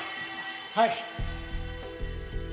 はい。